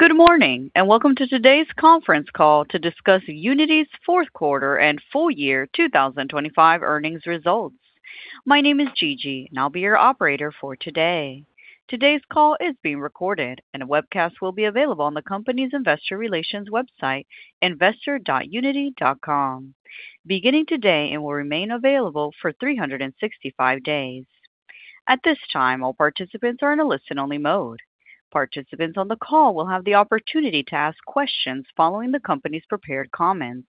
Good morning. Welcome to today's conference call to discuss Uniti's Q4 and full year 2025 earnings results. My name is Gigi. I'll be your operator for today. Today's call is being recorded. A webcast will be available on the company's investor relations website, investor.uniti.com beginning today and will remain available for 365 days. At this time, all participants are in a listen-only mode. Participants on the call will have the opportunity to ask questions following the company's prepared comments.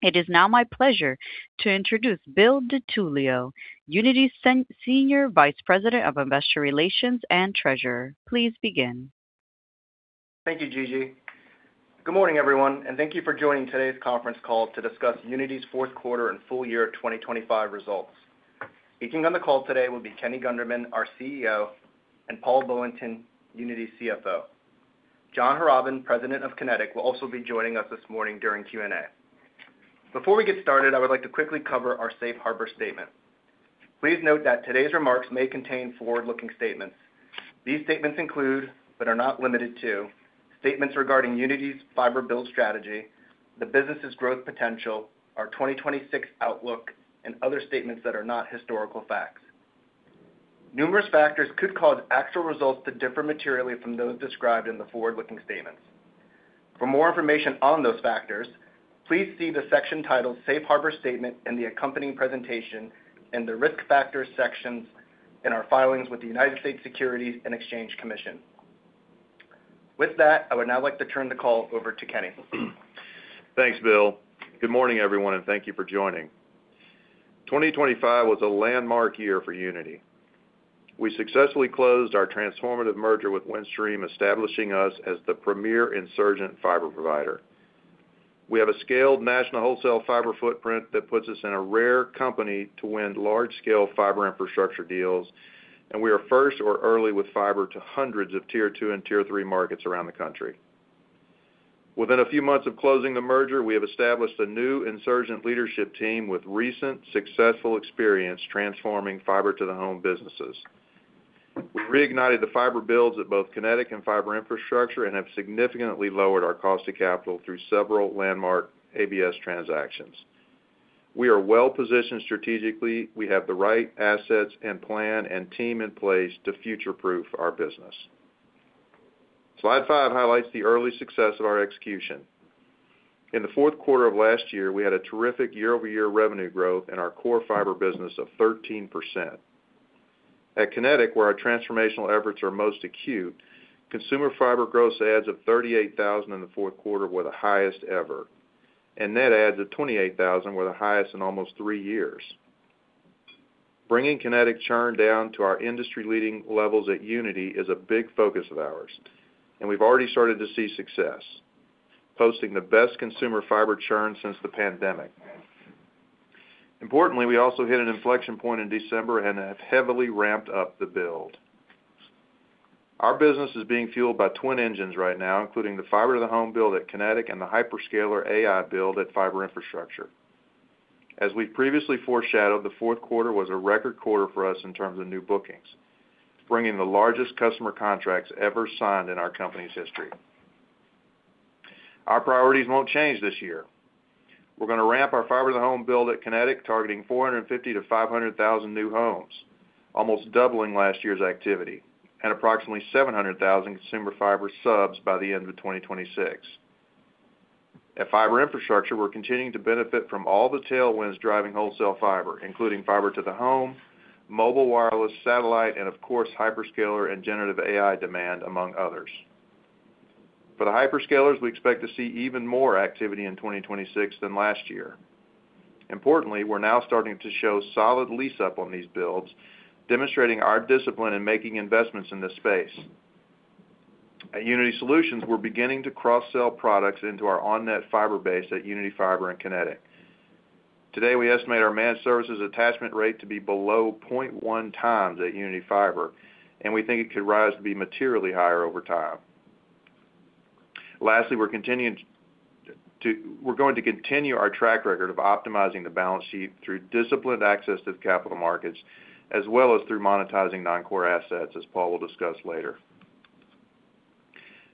It is now my pleasure to introduce Bill DiTullio, Uniti's Senior Vice President of Investor Relations and Treasurer. Please begin. Thank you, Gigi. Good morning, everyone, and thank you for joining today's conference call to discuss Uniti's Q4 and full year 2025 results. Speaking on the call today will be Kenny Gunderman, our CEO, and Paul Bullington, Uniti's CFO. John Harrobin, President of Kinetic, will also be joining us this morning during Q&A. Before we get started, I would like to quickly cover our safe harbor statement. Please note that today's remarks may contain forward-looking statements. These statements include, but are not limited to, statements regarding Uniti's fiber build strategy, the business' growth potential, our 2026 outlook, and other statements that are not historical facts. Numerous factors could cause actual results to differ materially from those described in the forward-looking statements. For more information on those factors, please see the section titled Safe Harbor Statement in the accompanying presentation and the Risk Factors sections in our filings with the United States Securities and Exchange Commission. I would now like to turn the call over to Kenny. Thanks, Bill. Good morning, everyone, and thank you for joining. 2025 was a landmark year for Uniti. We successfully closed our transformative merger with Windstream, establishing us as the premier insurgent fiber provider. We have a scaled national wholesale fiber footprint that puts us in a rare company to win large-scale Fiber Infrastructure deals, and we are first or early with fiber to hundreds of Tier 2 and Tier 3 markets around the country. Within a few months of closing the merger, we have established a new insurgent leadership team with recent successful experience transforming fiber to the home businesses. We've reignited the fiber builds at both Kinetic and Fiber Infrastructure and have significantly lowered our cost of capital through several landmark ABS transactions. We are well-positioned strategically. We have the right assets and plan and team in place to future-proof our business. Slide five highlights the early success of our execution. In the Q4 of last year, we had a terrific year-over-year revenue growth in our core Fiber business of 13%. At Kinetic, where our transformational efforts are most acute, consumer fiber gross adds of 38,000 in the Q4 were the highest ever, and net adds of 28,000 were the highest in almost three years. Bringing Kinetic churn down to our industry-leading levels at Uniti is a big focus of ours, and we've already started to see success, posting the best consumer fiber churn since the pandemic. Importantly, we also hit an inflection point in December and have heavily ramped up the build. Our business is being fueled by twin engines right now, including the fiber to the home build at Kinetic and the hyperscaler AI build at Fiber Infrastructure. As we previously foreshadowed, the 4th quarter was a record quarter for us in terms of new bookings, bringing the largest customer contracts ever signed in our company's history. Our priorities won't change this year. We're gonna ramp our fiber to the home build at Kinetic, targeting 450,000-500,000 new homes, almost doubling last year's activity, and approximately 700,000 consumer fiber subs by the end of 2026. At Fiber Infrastructure, we're continuing to benefit from all the tailwinds driving wholesale fiber, including fiber to the home, mobile wireless, satellite, and of course, hyperscaler and generative AI demand, among others. For the hyperscalers, we expect to see even more activity in 2026 than last year. Importantly, we're now starting to show solid lease up on these builds, demonstrating our discipline in making investments in this space. At Uniti Solutions, we're beginning to cross-sell products into our on net fiber base at Uniti Fiber and Kinetic. Today, we estimate our managed services attachment rate to be below 0.1 times at Uniti Fiber, and we think it could rise to be materially higher over time. Lastly, we're going to continue our track record of optimizing the balance sheet through disciplined access to the capital markets as well as through monetizing non-core assets, as Paul will discuss later.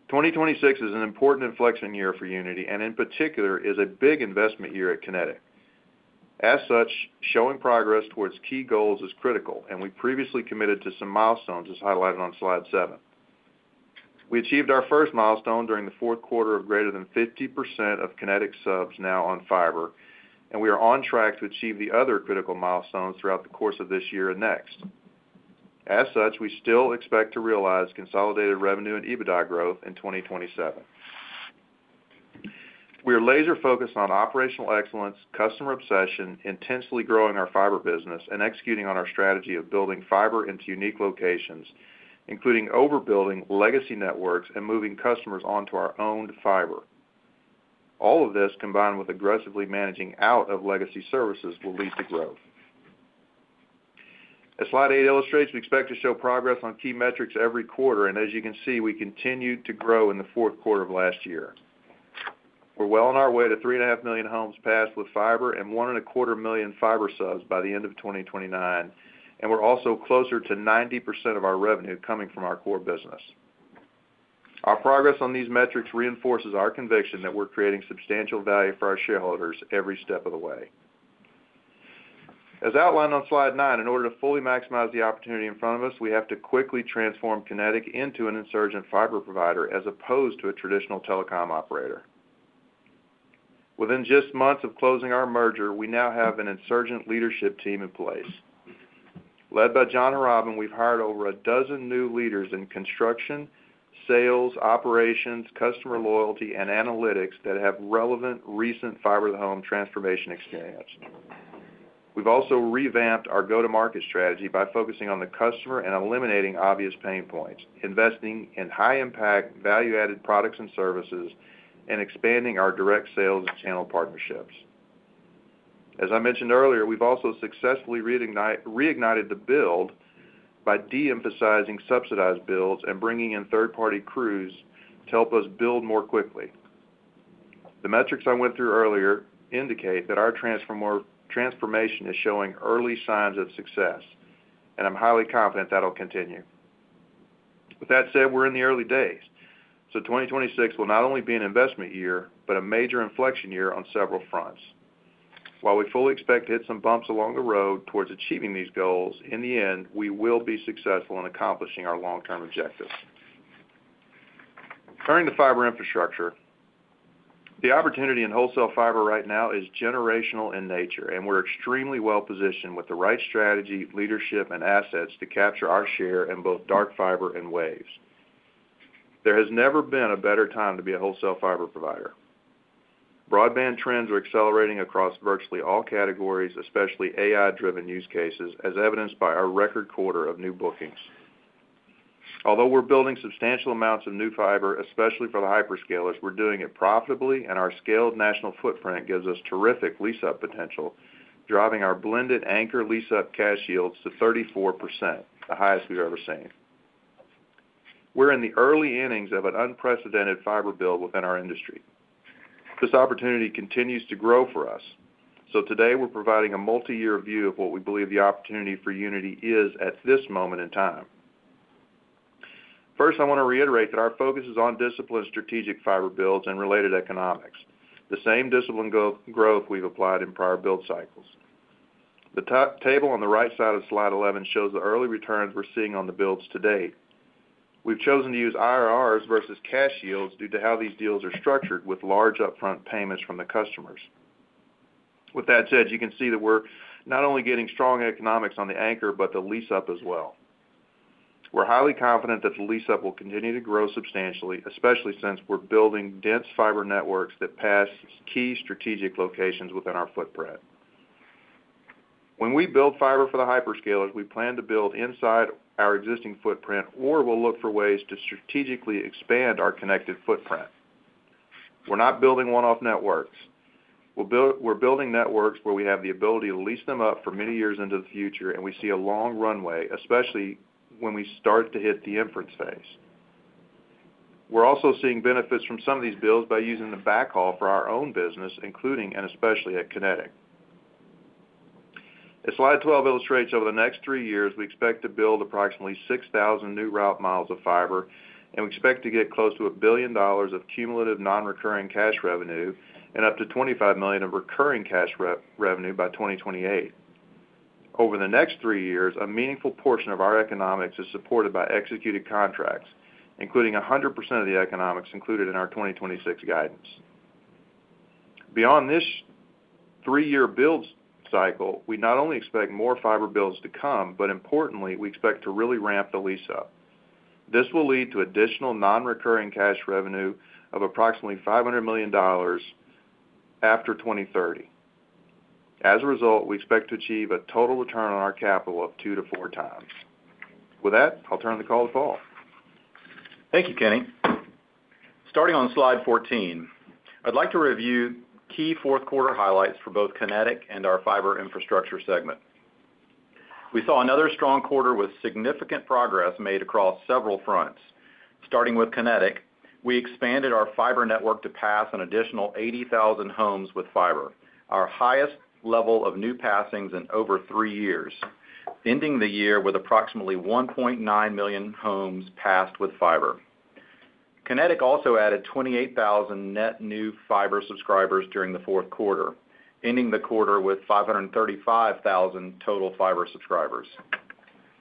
2026 is an important inflection year for Uniti, and in particular, is a big investment year at Kinetic. As such, showing progress towards key goals is critical, and we previously committed to some milestones as highlighted on slide seven. We achieved our first milestone during the Q4 of greater than 50% of Kinetic subs now on fiber. We are on track to achieve the other critical milestones throughout the course of this year and next. As such, we still expect to realize consolidated revenue and EBITDA growth in 2027. We are laser focused on operational excellence, customer obsession, intensely growing our fiber business, and executing on our strategy of building fiber into unique locations, including overbuilding legacy networks and moving customers onto our own fiber. All of this, combined with aggressively managing out of legacy services, will lead to growth. As slide eight illustrates, we expect to show progress on key metrics every quarter, and as you can see, we continued to grow in the Q4 of last year. We're well on our way to 3.5 million homes passed with fiber and 1.25 million fiber subs by the end of 2029, and we're also closer to 90% of our revenue coming from our core business. Our progress on these metrics reinforces our conviction that we're creating substantial value for our shareholders every step of the way. As outlined on slide nine, in order to fully maximize the opportunity in front of us, we have to quickly transform Kinetic into an insurgent fiber provider as opposed to a traditional telecom operator. Within just months of closing our merger, we now have an insurgent leadership team in place. Led by John Harrobin, we've hired over 12 new leaders in construction, sales, operations, customer loyalty, and analytics that have relevant recent fiber to home transformation experience. We've also revamped our go-to-market strategy by focusing on the customer and eliminating obvious pain points, investing in high-impact, value-added products and services, and expanding our direct sales channel partnerships. As I mentioned earlier, we've also successfully reignited the build by de-emphasizing subsidized builds and bringing in third-party crews to help us build more quickly. The metrics I went through earlier indicate that our transformation is showing early signs of success, and I'm highly confident that'll continue. With that said, we're in the early days, 2026 will not only be an investment year, but a major inflection year on several fronts. While we fully expect to hit some bumps along the road towards achieving these goals, in the end, we will be successful in accomplishing our long-term objectives. Turning to Fiber Infrastructure, the opportunity in wholesale fiber right now is generational in nature, and we're extremely well positioned with the right strategy, leadership, and assets to capture our share in both dark fiber and waves. There has never been a better time to be a wholesale fiber provider. Broadband trends are accelerating across virtually all categories, especially AI-driven use cases, as evidenced by our record quarter of new bookings. Although we're building substantial amounts of new fiber, especially for the hyperscalers, we're doing it profitably, and our scaled national footprint gives us terrific lease-up potential, driving our blended anchor lease-up cash yields to 34%, the highest we've ever seen. We're in the early innings of an unprecedented fiber build within our industry. This opportunity continues to grow for us. Today, we're providing a multi-year view of what we believe the opportunity for Uniti is at this moment in time. First, I want to reiterate that our focus is on disciplined strategic fiber builds and related economics, the same discipline go-growth we've applied in prior build cycles. The top table on the right side of slide 11 shows the early returns we're seeing on the builds to date. We've chosen to use IRRs versus cash yields due to how these deals are structured with large upfront payments from the customers. With that said, you can see that we're not only getting strong economics on the anchor, but the lease-up as well. We're highly confident that the lease-up will continue to grow substantially, especially since we're building dense fiber networks that pass key strategic locations within our footprint. When we build fiber for the hyperscalers, we plan to build inside our existing footprint, or we'll look for ways to strategically expand our connected footprint. We're not building one-off networks. We're building networks where we have the ability to lease them up for many years into the future, and we see a long runway, especially when we start to hit the inference Phase. We're also seeing benefits from some of these builds by using the backhaul for our own business, including and especially at Kinetic. As slide 12 illustrates, over the next three years, we expect to build approximately 6,000 new route miles of fiber, and we expect to get close to $1 billion of cumulative non-recurring cash revenue and up to $25 million of recurring cash re-revenue by 2028. Over the next three years, a meaningful portion of our economics is supported by executed contracts, including 100% of the economics included in our 2026 guidance. Beyond this 3-year build cycle, we not only expect more fiber builds to come, but importantly, we expect to really ramp the lease up. This will lead to additional non-recurring cash revenue of approximately $500 million after 2030. As a result, we expect to achieve a total return on our capital of two to four times. With that, I'll turn the call to Paul. Thank you, Kenny. Starting on slide 14, I'd like to review key Q4 highlights for both Kinetic and our Fiber Infrastructure segment. We saw another strong quarter with significant progress made across several fronts. Starting with Kinetic, we expanded our fiber network to pass an additional 80,000 homes with fiber, our highest level of new passings in over three years, ending the year with approximately 1.9 million homes passed with fiber. Kinetic also added 28,000 net new fiber subscribers during the Q4, ending the quarter with 535,000 total fiber subscribers.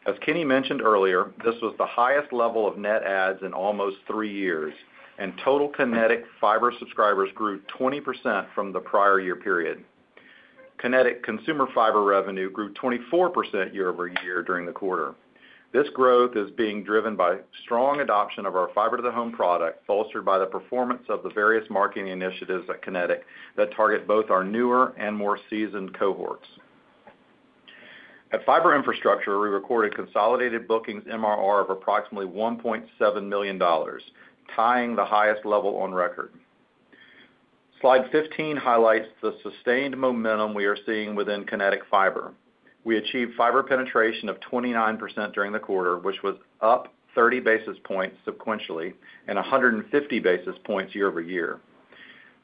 As Kenny mentioned earlier, this was the highest level of net adds in almost three years, and total Kinetic fiber subscribers grew 20% from the prior year period. Kinetic consumer fiber revenue grew 24% year-over-year during the quarter. This growth is being driven by strong adoption of our fiber to the home product, bolstered by the performance of the various marketing initiatives at Kinetic that target both our newer and more seasoned cohorts. At Fiber Infrastructure, we recorded consolidated bookings MRR of approximately $1.7 million, tying the highest level on record. Slide 15 highlights the sustained momentum we are seeing within Kinetic Fiber. We achieved fiber penetration of 29% during the quarter, which was up 30 basis points sequentially and 150 basis points year-over-year.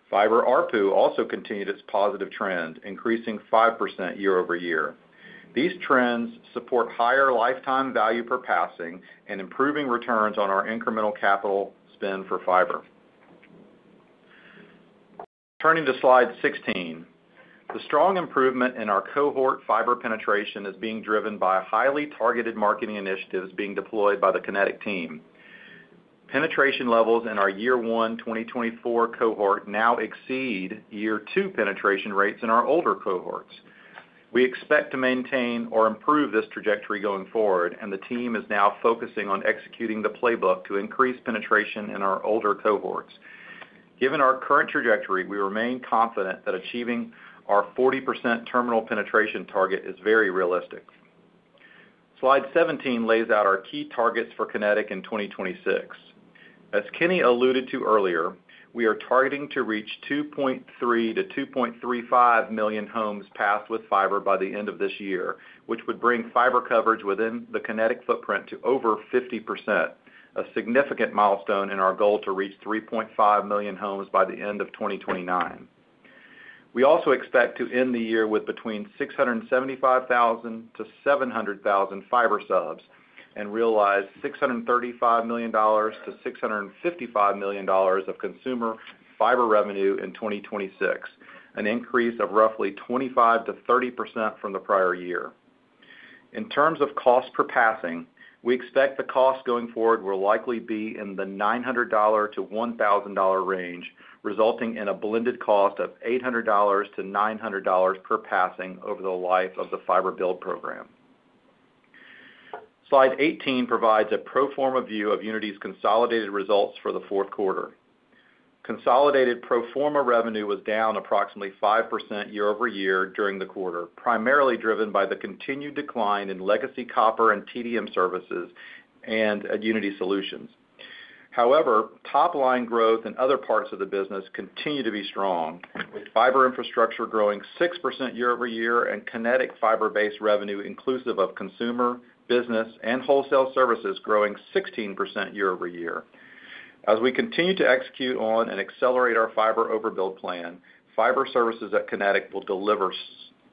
Fiber ARPU also continued its positive trend, increasing 5% year-over-year. These trends support higher lifetime value per passing and improving returns on our incremental capital spend for fiber. Turning to slide 16, the strong improvement in our cohort fiber penetration is being driven by highly targeted marketing initiatives being deployed by the Kinetic team. Penetration levels in our year 1 2024 cohort now exceed year 2 penetration rates in our older cohorts. We expect to maintain or improve this trajectory going forward, and the team is now focusing on executing the playbook to increase penetration in our older cohorts. Given our current trajectory, we remain confident that achieving our 40% terminal penetration target is very realistic. Slide 17 lays out our key targets for Kinetic in 2026. As Kenny alluded to earlier, we are targeting to reach 2.3 to 2.35 million homes passed with fiber by the end of this year, which would bring fiber coverage within the Kinetic footprint to over 50%, a significant milestone in our goal to reach 3.5 million homes by the end of 2029. We also expect to end the year with between 675,000 and 700,000 fiber subs and realize $635 to 655 million of consumer fiber revenue in 2026, an increase of roughly 25% to 30% from the prior year. In terms of cost per passing, we expect the cost going forward will likely be in the $900 to 1,000 range, resulting in a blended cost of $800 to 900 per passing over the life of the fiber build program. Slide 18 provides a pro forma view of Uniti's consolidated results for the Q4. Consolidated pro forma revenue was down approximately 5% year-over-year during the quarter, primarily driven by the continued decline in legacy copper and TDM services and at Uniti Solutions. Top line growth in other parts of the business continue to be strong, with Fiber Infrastructure growing 6% year-over-year and Kinetic fiber-based revenue inclusive of consumer, business, and wholesale services growing 16% year-over-year. As we continue to execute on and accelerate our fiber overbuild plan, fiber services at Kinetic will deliver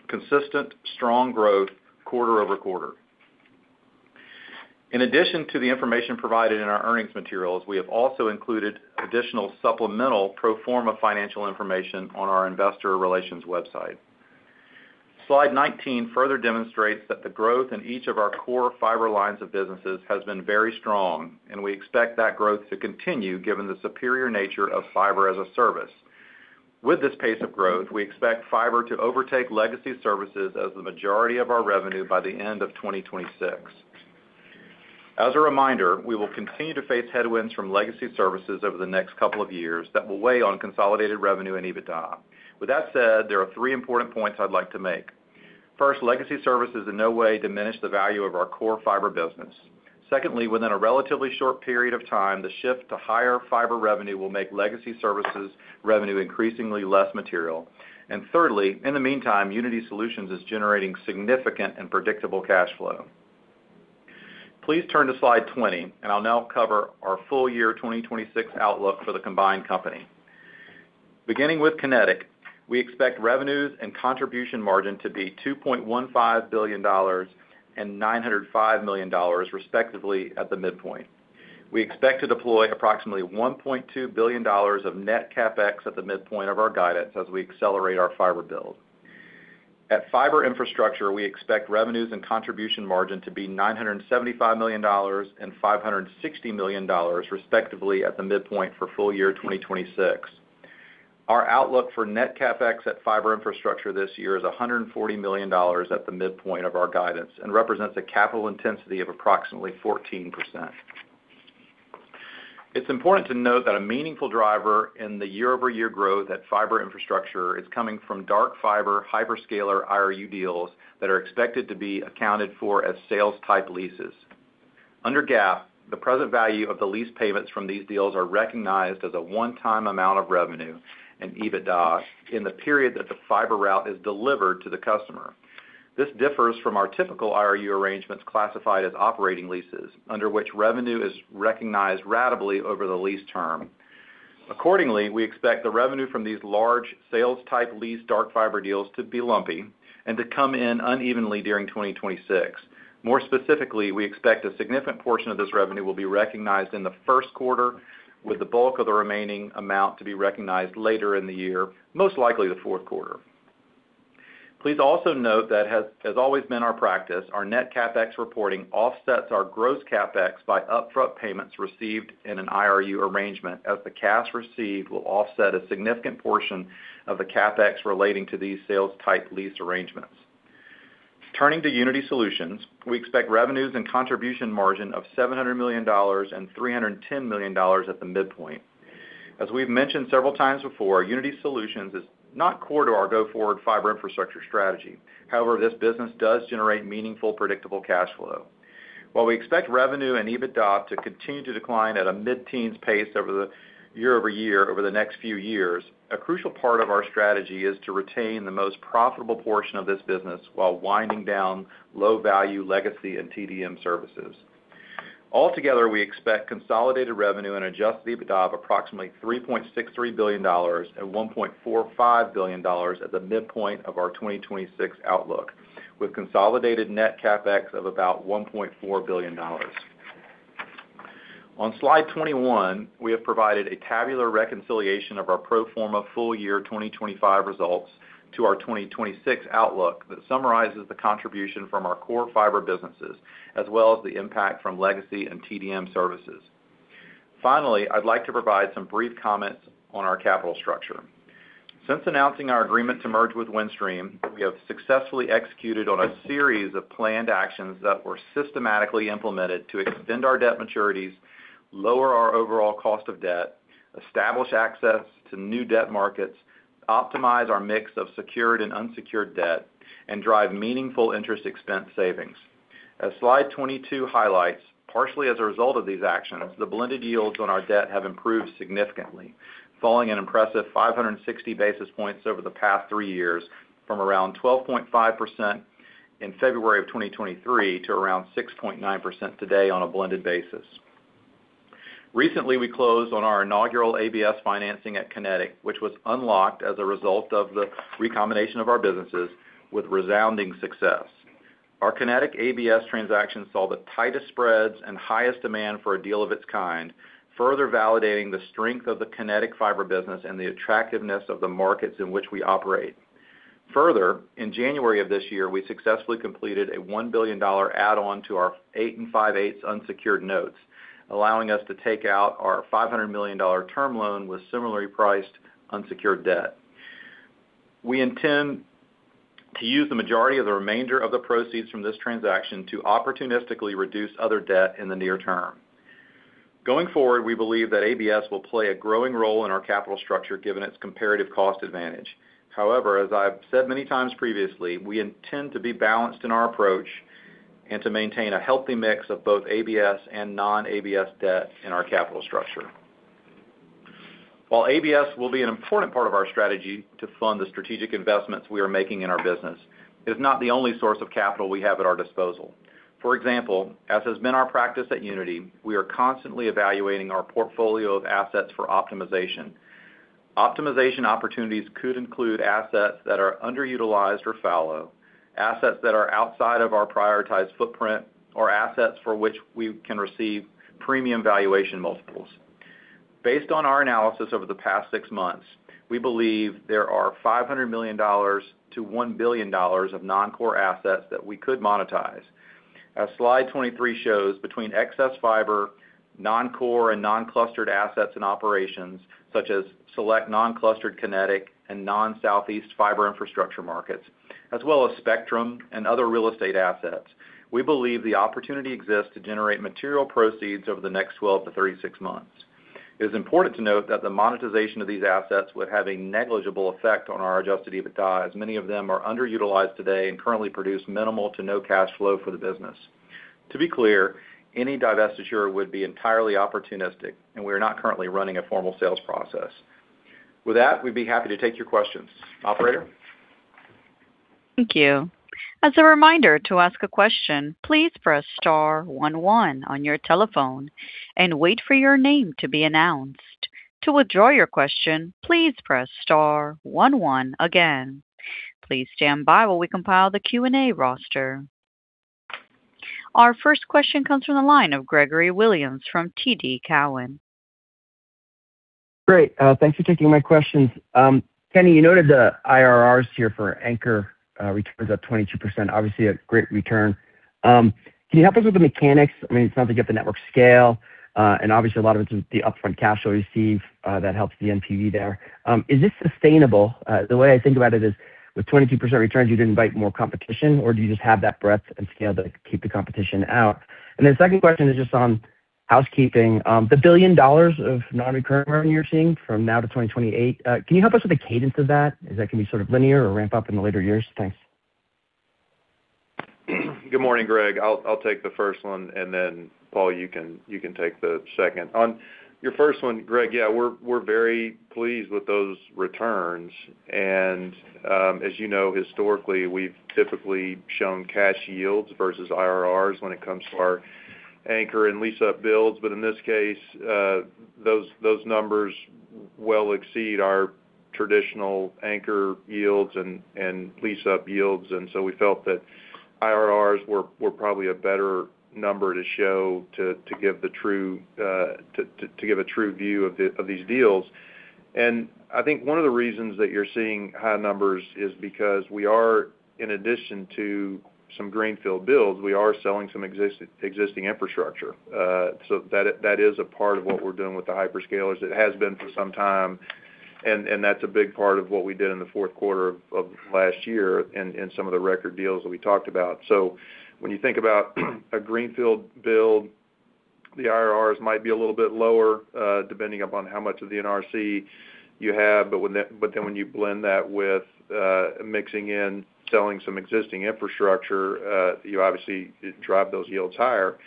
consistent, strong growth quarter-over-quarter. In addition to the information provided in our earnings materials, we have also included additional supplemental pro forma financial information on our investor relations website. Slide 19 further demonstrates that the growth in each of our core fiber lines of businesses has been very strong. We expect that growth to continue given the superior nature of fiber as a service. With this pace of growth, we expect fiber to overtake legacy services as the majority of our revenue by the end of 2026. As a reminder, we will continue to face headwinds from legacy services over the next couple of years that will weigh on consolidated revenue and EBITDA. With that said, there are three important points I'd like to make. First, legacy services in no way diminish the value of our core fiber business. Secondly, within a relatively short period of time, the shift to higher fiber revenue will make legacy services revenue increasingly less material. Thirdly, in the meantime, Uniti Solutions is generating significant and predictable cash flow. Please turn to slide 20, and I'll now cover our full year 2026 outlook for the combined company. Beginning with Kinetic, we expect revenues and contribution margin to be $2.15 billion and $905 million respectively at the midpoint. We expect to deploy approximately $1.2 billion of net CapEx at the midpoint of our guidance as we accelerate our fiber build. At Fiber Infrastructure, we expect revenues and contribution margin to be $975 million and $560 million respectively at the midpoint for full year 2026. Our outlook for net CapEx at Fiber Infrastructure this year is $140 million at the midpoint of our guidance and represents a capital intensity of approximately 14%. It's important to note that a meaningful driver in the year-over-year growth at Fiber Infrastructure is coming from dark fiber hyperscaler IRU deals that are expected to be accounted for as sales-type leases. Under GAAP, the present value of the lease payments from these deals are recognized as a one-time amount of revenue and EBITDA in the period that the fiber route is delivered to the customer. This differs from our typical IRU arrangements classified as operating leases, under which revenue is recognized ratably over the lease term. Accordingly, we expect the revenue from these large sales-type lease dark fiber deals to be lumpy and to come in unevenly during 2026. More specifically, we expect a significant portion of this revenue will be recognized in the Q1, with the bulk of the remaining amount to be recognized later in the year, most likely the Q4. Please also note that has always been our practice, our net CapEx reporting offsets our gross CapEx by upfront payments received in an IRU arrangement, as the cash received will offset a significant portion of the CapEx relating to these sales-type lease arrangements. Turning to Uniti Solutions, we expect revenues and contribution margin of $700 million and $310 million at the midpoint. As we've mentioned several times before, Uniti Solutions is not core to our go-forward Fiber Infrastructure strategy. However, this business does generate meaningful, predictable cash flow. While we expect revenue and EBITDA to continue to decline at a mid-teens pace over the year-over-year over the next few years, a crucial part of our strategy is to retain the most profitable portion of this business while winding down low value legacy and TDM services. Altogether, we expect consolidated revenue and adjusted EBITDA of approximately $3.63 to 1.45 billion at the midpoint of our 2026 outlook, with consolidated net CapEx of about $1.4 billion. On slide 21, we have provided a tabular reconciliation of our pro forma full year 2025 results to our 2026 outlook that summarizes the contribution from our core fiber businesses, as well as the impact from legacy and TDM services. Finally, I'd like to provide some brief comments on our capital structure. Since announcing our agreement to merge with Windstream, we have successfully executed on a series of planned actions that were systematically implemented to extend our debt maturities, lower our overall cost of debt, establish access to new debt markets, optimize our mix of secured and unsecured debt, and drive meaningful interest expense savings. As slide 22 highlights, partially as a result of these actions, the blended yields on our debt have improved significantly, falling an impressive 560 basis points over the past three years from around 12.5% in February 2023 to around 6.9% today on a blended basis. Recently, we closed on our inaugural ABS financing at Kinetic, which was unlocked as a result of the recombination of our businesses with resounding success. Our Kinetic ABS transaction saw the tightest spreads and highest demand for a deal of its kind, further validating the strength of the Kinetic Fiber business and the attractiveness of the markets in which we operate. Further, in January of this year, we successfully completed a $1 billion add-on to our eight and 5/8 unsecured notes, allowing us to take out our $500 million term loan with similarly priced unsecured debt. We intend to use the majority of the remainder of the proceeds from this transaction to opportunistically reduce other debt in the near term. Going forward, we believe that ABS will play a growing role in our capital structure given its comparative cost advantage. However, as I've said many times previously, we intend to be balanced in our approach and to maintain a healthy mix of both ABS and non-ABS debt in our capital structure. While ABS will be an important part of our strategy to fund the strategic investments we are making in our business, it is not the only source of capital we have at our disposal. As has been our practice at Uniti, we are constantly evaluating our portfolio of assets for optimization. Optimization opportunities could include assets that are underutilized or fallow, assets that are outside of our prioritized footprint, or assets for which we can receive premium valuation multiples. Based on our analysis over the past six months, we believe there are $500 to 1 billion of non-core assets that we could monetize. As slide 23 shows, between excess fiber, non-core and non-clustered assets and operations, such as select non-clustered Kinetic and non Southeast Fiber Infrastructure markets, as well as spectrum and other real estate assets, we believe the opportunity exists to generate material proceeds over the next 12 to 36 months. It is important to note that the monetization of these assets would have a negligible effect on our adjusted EBITDA, as many of them are underutilized today and currently produce minimal to no cash flow for the business. To be clear, any divestiture would be entirely opportunistic, we are not currently running a formal sales process. With that, we'd be happy to take your questions. Operator? Thank you. As a reminder to ask a question, please press star one one on your telephone and wait for your name to be announced. To withdraw your question, please press star one one again. Please stand by while we compile the Q&A roster. Our first question comes from the line of Gregory Williams from TD Cowen. Great. Thanks for taking my questions. Kenny, you noted the IRRs here for Anchor, returns at 22%, obviously a great return. Can you help us with the mechanics? it's not to get the network scale, and obviously a lot of it is the upfront cash you'll receive, that helps the NPV there. Is this sustainable? The way I think about it is with 22% returns, you'd invite more competition, or do you just have that breadth and scale to keep the competition out? Second question is just on housekeeping. The $1 billion of non-recurring revenue you're seeing from now to 2028, can you help us with the cadence of that? Is that gonna be sort of linear or ramp up in the later years? Thanks. Good morning, Gregory. I'll take the first one, and then Paul, you can take the second. On your first one, Greg, yeah, we're very pleased with those returns. As historically, we've typically shown cash yields versus IRRs when it comes to our anchor and lease up builds. In this case, those numbers well exceed our traditional anchor yields and lease up yields. We felt that IRRs were probably a better number to show to give a true view of these deals. One of the reasons that you're seeing high numbers is because we are, in addition to some greenfield builds, we are selling some existing infrastructure. That is a part of what we're doing with the hyperscalers. It has been for some time, and that's a big part of what we did in the Q4 of last year in some of the record deals that we talked about. When you think about a greenfield build. The IRRs might be a little bit lower, depending upon how much of the NRC you have. When you blend that with, mixing in selling some existing infrastructure, you obviously drive those yields higher.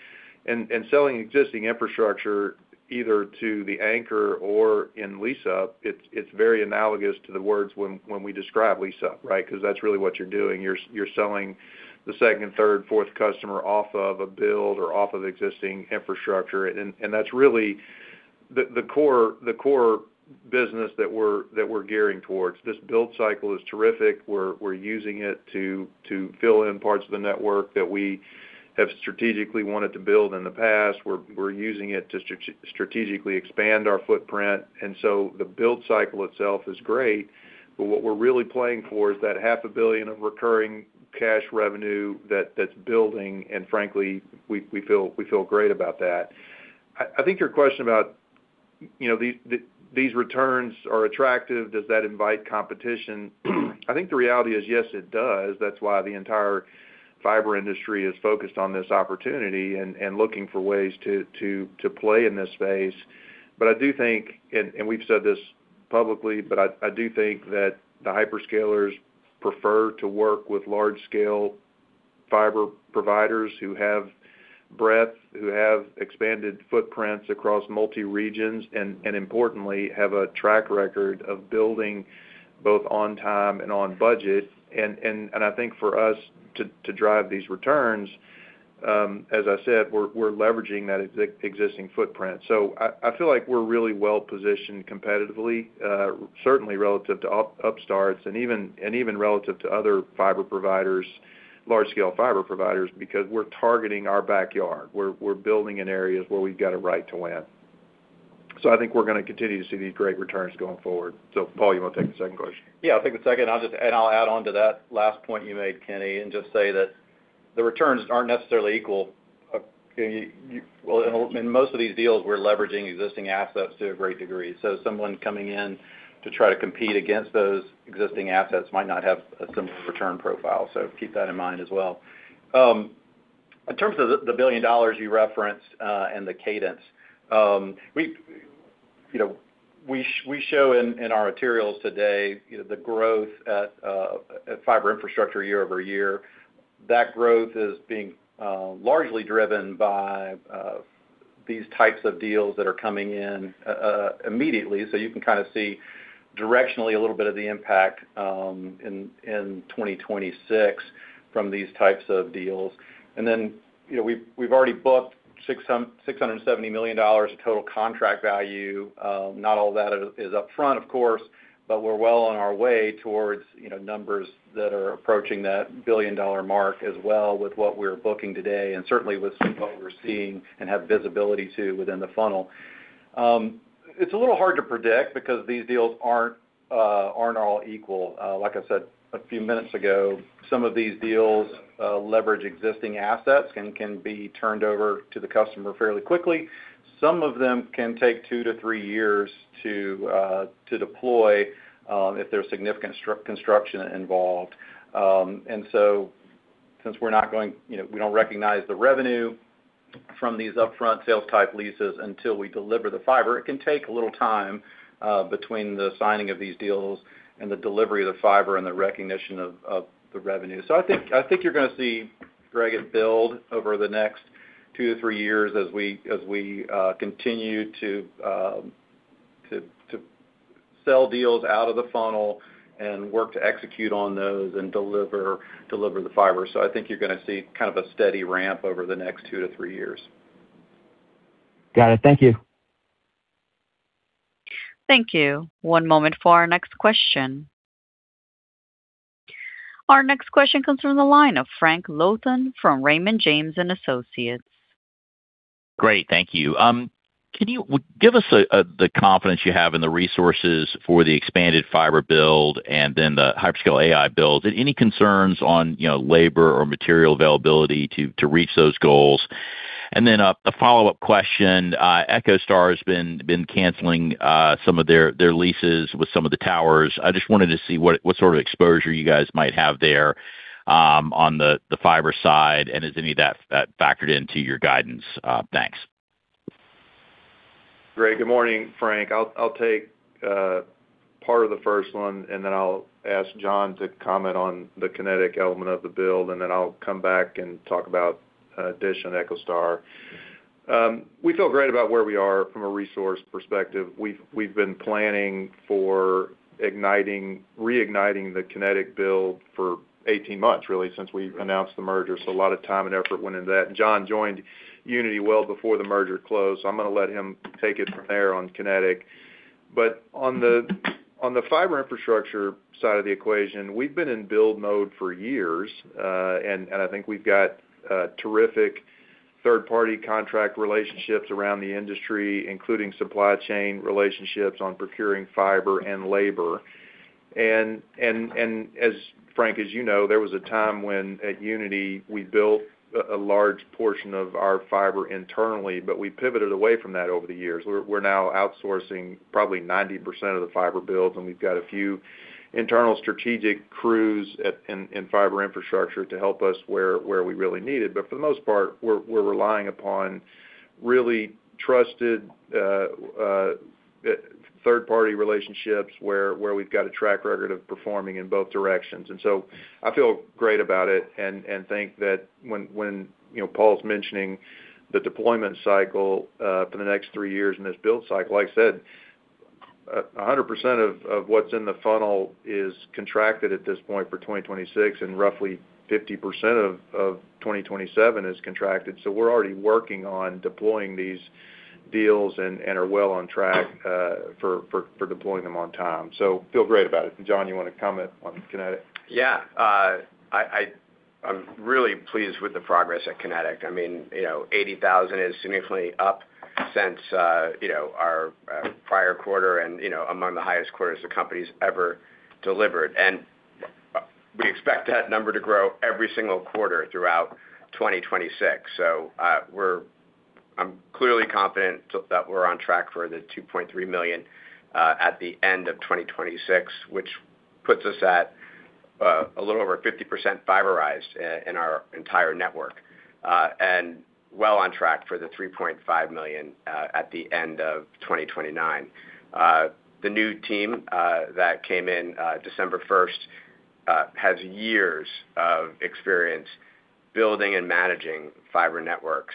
Selling existing infrastructure either to the anchor or in lease up, it's very analogous to the words when we describe lease up, right? 'Cause that's really what you're doing. You're selling the second, third, fourth customer off of a build or off of existing infrastructure. That's really the core, the core business that we're, that we're gearing towards. This build cycle is terrific. We're, we're using it to fill in parts of the network that we have strategically wanted to build in the past. We're using it to strategically expand our footprint. The build cycle itself is great, but what we're really playing for is that half a billion of recurring cash revenue that's building. Frankly, we feel great about that. I think your question about, you know, these returns are attractive, does that invite competition? the reality is yes, it does. That's why the entire fiber industry is focused on this opportunity and looking for ways to play in this space. I do think, and we've said this publicly, but I do think that the hyperscalers prefer to work with large scale fiber providers who have breadth, who have expanded footprints across multi-regions. Importantly, have a track record of building both on time and on budget. For us to drive these returns, as I said, we're leveraging that existing footprint. I feel like we're really well positioned competitively, certainly relative to upstarts and even relative to other fiber providers, large scale fiber providers, because we're targeting our backyard. We're building in areas where we've got a right to win. We're going to continue to see these great returns going forward. Paul, you want to take the second question? I'll take the second. I'll add on to that last point you made, Kenny, and just say that the returns aren't necessarily equal. Well, in most of these deals, we're leveraging existing assets to a great degree. Someone coming in to try to compete against those existing assets might not have a similar return profile. Keep that in mind as well. In terms of the $1 billion you referenced, and the cadence, we, you know, we show in our materials today, you know, the growth at Fiber Infrastructure year over year. That growth is being largely driven by these types of deals that are coming in immediately. You can kinda see directionally a little bit of the impact in 2026 from these types of deals. We've already booked $670 million of total contract value. Not all that is upfront, of course, but we're well on our way towards, you know, numbers that are approaching that $1 billion mark as well with what we're booking today, and certainly with what we're seeing and have visibility to within the funnel. It's a little hard to predict because these deals aren't all equal. Like I said a few minutes ago, some of these deals leverage existing assets and can be turned over to the customer fairly quickly. Some of them can take two to three years to deploy if there's significant construction involved. Since we're not going, we don't recognize the revenue from these upfront sales-type leases until we deliver the fiber, it can take a little time, between the signing of these deals and the delivery of the fiber and the recognition of the revenue. You're gonna see, Gregory, it build over the next 2-3 years as we continue to sell deals out of the funnel and work to execute on those and deliver the fiber. You're gonna see kind of a steady ramp over the next 2-3 years. Got it. Thank you. Thank you. One moment for our next question. Our next question comes from the line of Frank Louthan from Raymond James & Associates. Great. Thank you. Can you give us the confidence you have in the resources for the expanded fiber build and then the hyperscale AI build? Any concerns on labor or material availability to reach those goals? Then a follow-up question. EchoStar has been canceling some of their leases with some of the towers. I just wanted to see what sort of exposure you guys might have there on the fiber side, and is any of that factored into your guidance? Thanks. Great. Good morning, Frank. I'll take part of the first one and then I'll ask John to comment on the Kinetic element of the build, and then I'll come back and talk about DISH and EchoStar. We feel great about where we are from a resource perspective. We've, we've been planning for reigniting the Kinetic build for 18 months, really, since we announced the merger. A lot of time and effort went into that. John joined Uniti well before the merger closed, so I'm gonna let him take it from there on Kinetic. On the, on the Fiber Infrastructure side of the equation, we've been in build mode for years. I think we've got terrific third-party contract relationships around the industry, including supply chain relationships on procuring fiber and labor. As Frank, there was a time when at Uniti, we built a large portion of our fiber internally, but we pivoted away from that over the years. We're now outsourcing probably 90% of the fiber builds, and we've got a few internal strategic crews in Fiber Infrastructure to help us where we really need it. For the most part, we're relying upon really trusted third party relationships where we've got a track record of performing in both directions. I feel great about it and think that when, you know, Paul's mentioning the deployment cycle for the next three years in this build cycle, like I said, 100% of what's in the funnel is contracted at this point for 2026, and roughly 50% of 2027 is contracted. We're already working on deploying these deals and are well on track for deploying them on time. Feel great about it. John, you want to comment on Kinetic? I'm really pleased with the progress at Kinetic. 80,000 is significantly up since, you know, our prior quarter and, you know, among the highest quarters the company's ever delivered. We expect that number to grow every single quarter throughout 2026. I'm clearly confident that we're on track for the 2.3 million at the end of 2026, which puts us at a little over 50% fiberized in our entire network and well on track for the 3.5 million at the end of 2029. The new team that came in December 1st has years of experience building and managing fiber networks.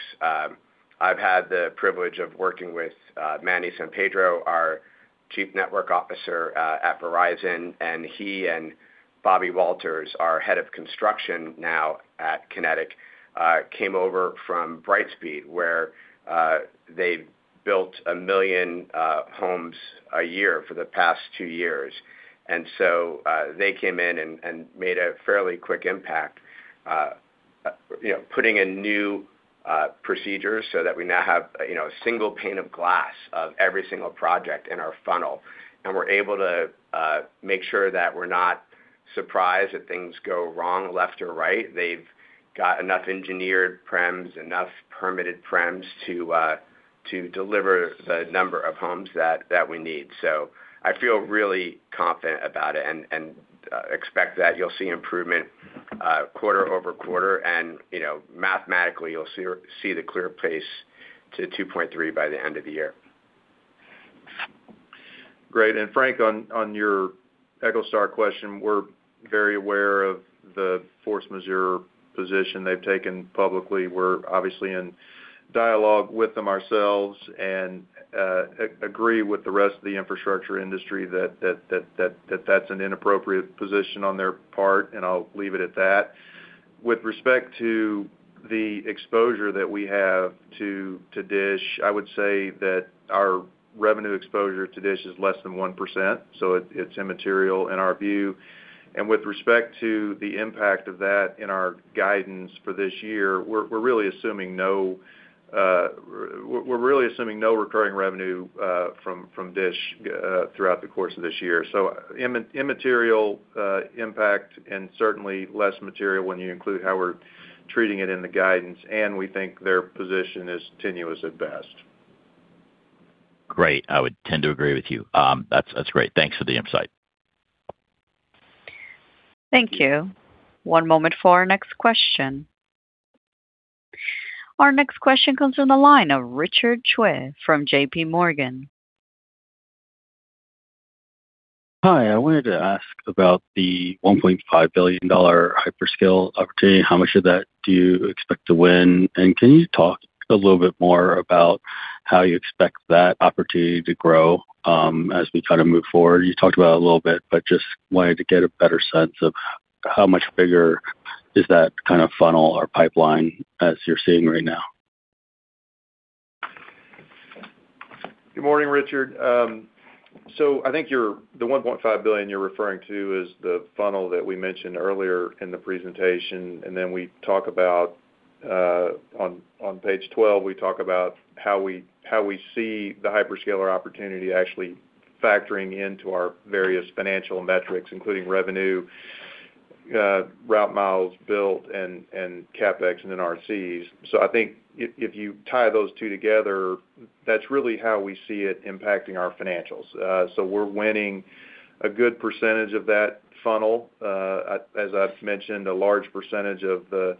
I've had the privilege of working with Manuel Sampedro, our Chief Network Officer, at Verizon, and he and Bobby Walters, our Head of Construction now at Kinetic, came over from Brightspeed, where they built 1 million homes a year for the past two years. They came in and made a fairly quick impact, putting in new procedures so that we now have, you know, a single pane of glass of every single project in our funnel. We're able to make sure that we're not surprised if things go wrong left or right. They've got enough engineered prems, enough permitted prems to deliver the number of homes that we need. I feel really confident about it and expect that you'll see improvement, quarter-over-quarter and mathematically, you'll see the clear pace to 2.3 by the end of the year. Great. Frank, on your EchoStar question, we're very aware of the force majeure position they've taken publicly. We're obviously in dialogue with them ourselves and agree with the rest of the infrastructure industry that that's an inappropriate position on their part, and I'll leave it at that. With respect to the exposure that we have to DISH, I would say that our revenue exposure to DISH is less than 1%, so it's immaterial in our view. With respect to the impact of that in our guidance for this year, we're really assuming no recurring revenue from DISH throughout the course of this year. Immaterial impact and certainly less material when you include how we're treating it in the guidance, and we think their position is tenuous at best. Great. I would tend to agree with you. That's great. Thanks for the insight. Thank you. One moment for our next question. Our next question comes from the line of Richard Choe from JPMorgan. Hi, I wanted to ask about the $1.5 billion hyperscale opportunity. How much of that do you expect to win? Can you talk a little bit more about how you expect that opportunity to grow as we kind of move forward? You talked about it a little bit, but just wanted to get a better sense of how much bigger is that kind of funnel or pipeline as you're seeing right now? Good morning, Richard. I think the $1.5 billion you're referring to is the funnel that we mentioned earlier in the presentation. We talk about on page 12, we talk about how we see the hyperscaler opportunity actually factoring into our various financial metrics, including revenue, route miles built and CapEx and RCs. I think if you tie those two together, that's really how we see it impacting our financials. We're winning a good percentage of that funnel. As I've mentioned, a large percentage of the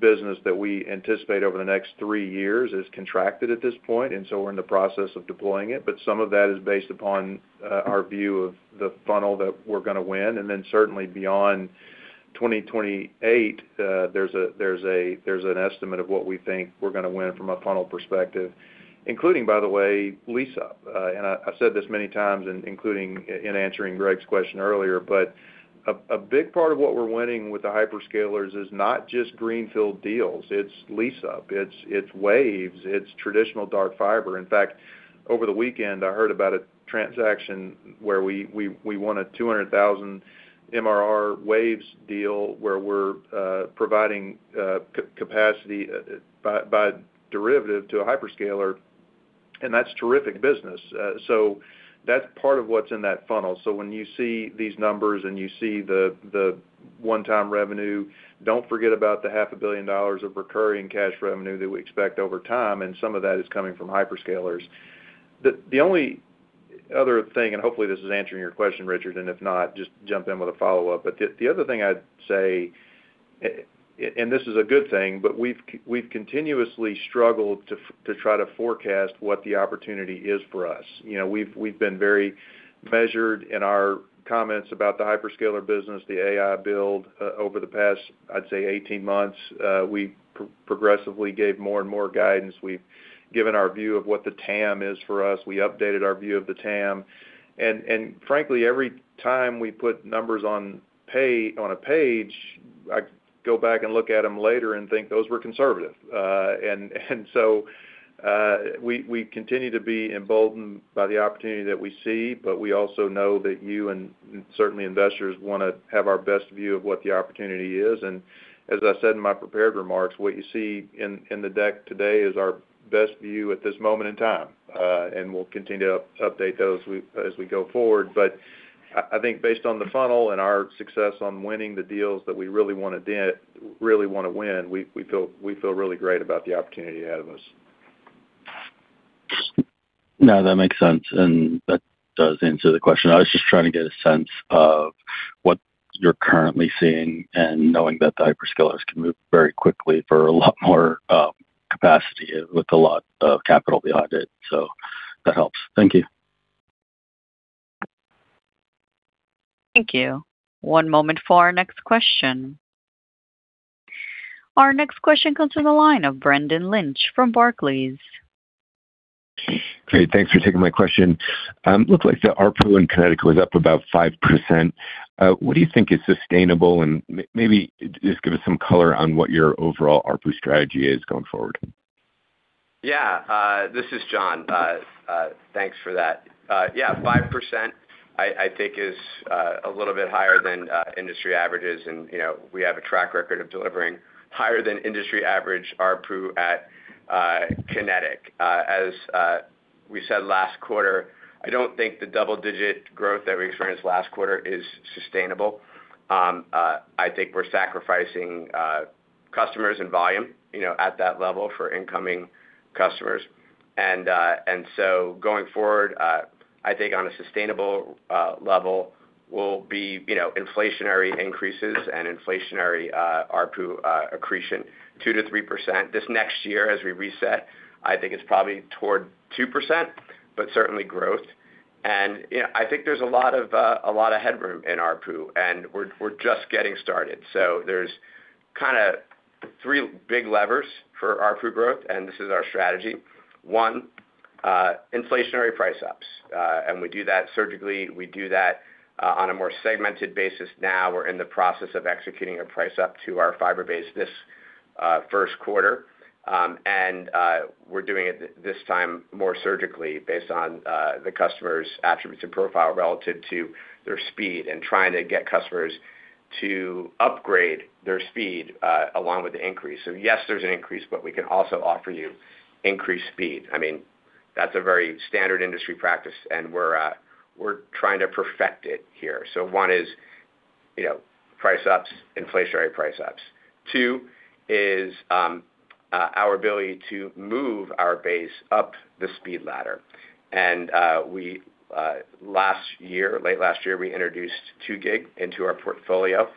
business that we anticipate over the next three years is contracted at this point, we're in the process of deploying it. Some of that is based upon our view of the funnel that we're gonna win. Then certainly beyond 2028, there's an estimate of what we think we're gonna win from a funnel perspective, including, by the way, lease-up. I've said this many times, including answering Gregory's question earlier, but a big part of what we're winning with the hyperscalers is not just greenfield deals, it's lease-up, it's waves, it's traditional dark fiber. In fact, over the weekend, I heard about a transaction where we won a $200,000 MRR waves deal where we're providing capacity by derivative to a hyperscaler, that's terrific business. That's part of what's in that funnel. When you see these numbers and you see the One time revenue. Don't forget about the half a billion dollars of recurring cash revenue that we expect over time, and some of that is coming from hyperscalers. The only other thing, and hopefully this is answering your question, Richard, and if not, just jump in with a follow-up. The other thing I'd say, and this is a good thing, but we've continuously struggled to try to forecast what the opportunity is for us. You know, we've been very measured in our comments about the hyperscaler business, the AI build, over the past, I'd say 18 months. We progressively gave more and more guidance. We've given our view of what the TAM is for us. We updated our view of the TAM. Frankly, every time we put numbers on a page, I go back and look at them later and think those were conservative. So, we continue to be emboldened by the opportunity that we see, but we also know that you and certainly investors wanna have our best view of what the opportunity is. As I said in my prepared remarks, what you see in the deck today is our best view at this moment in time, and we'll continue to update those as we go forward. I think based on the funnel and our success on winning the deals that we really wanna win, we feel really great about the opportunity ahead of us. No, that makes sense, and that does answer the question. I was just trying to get a sense of what you're currently seeing and knowing that the hyperscalers can move very quickly for a lot more, capacity with a lot of capital behind it. That helps. Thank you. Thank you. One moment for our next question. Our next question comes from the line of Brendan Lynch from Barclays. Great. Thanks for taking my question. Looks like the ARPU in Kinetic was up about 5%. What do you think is sustainable? Maybe just give us some color on what your overall ARPU strategy is going forward. This is John. Thanks for that. Yeah, 5% I think is a little bit higher than industry averages. We have a track record of delivering higher than industry average ARPU at Kinetic. As we said last quarter, I don't think the double-digit growth that we experienced last quarter is sustainable. We're sacrificing customers and volume at that level for incoming customers. So going forward, on a sustainable level will be inflationary increases and inflationary ARPU accretion 2%-3%. This next year as we reset, it's probably toward 2%, but certainly growth. There's a lot of headroom in ARPU, and we're just getting started. There's kinda three big levers for ARPU growth, and this is our strategy. One, inflationary price ups. We do that surgically. We do that on a more segmented basis now. We're in the process of executing a price up to our fiber base this Q1. We're doing it this time more surgically based on the customer's attributes and profile relative to their speed and trying to get customers to upgrade their speed along with the increase. Yes, there's an increase, but we can also offer you increased speed. I mean, that's a very standard industry practice, and we're trying to perfect it here. One is, price ups, inflationary price ups. Two is our ability to move our base up the speed ladder. We last year, late last year, we introduced 2 gig into our portfolio.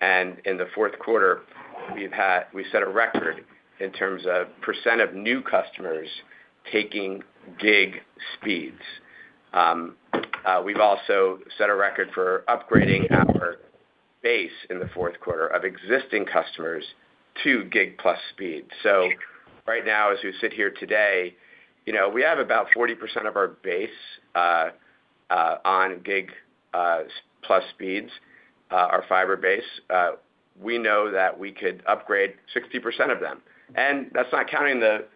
In the Q4, we set a record in terms of % of new customers taking gig speeds. We've also set a record for upgrading our base in the Q4 of existing customers to gig plus speeds. Right now, as we sit here today, you know, we have about 40% of our base on gig plus speeds, our fiber base. We know that we could upgrade 60% of them, and that's not counting the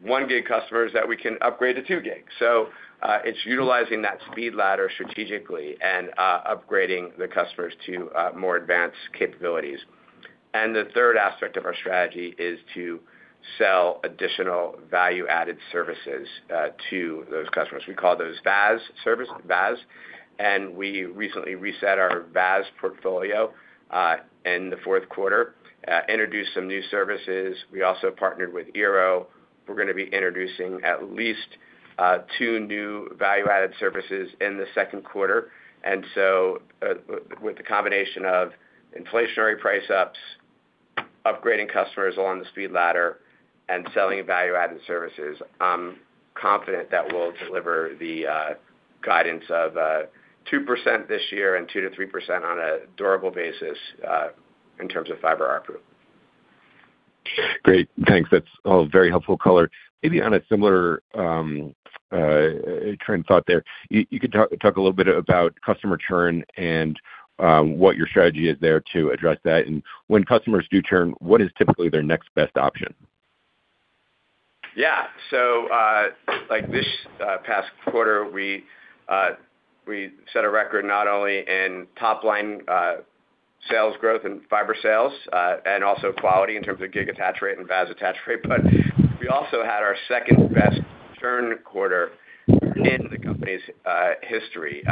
1 gig customers that we can upgrade to 2 gig. It's utilizing that speed ladder strategically and upgrading the customers to more advanced capabilities. The third aspect of our strategy is to sell additional value-added services to those customers. We call those VAS services, VAS. We recently reset our VAS portfolio in the Q4, introduced some new services. We also partnered with eero. We're gonna be introducing at least two new value-added services in the Q2. With the combination of inflationary price ups, upgrading customers along the speed ladder, and selling value-added services, I'm confident that we'll deliver the guidance of 2% this year and 2%-3% on a durable basis in terms of fiber ARPU. Great. Thanks. That's all very helpful color. Maybe on a similar train of thought there, you could talk a little bit about customer churn and what your strategy is there to address that. When customers do churn, what is typically their next best option? Like this past quarter, we set a record not only in top line sales growth and fiber sales, and also quality in terms of gig attach rate and VAS attach rate, but we also had our second-best churn quarter in the company's history.